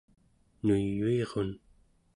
nuyuirun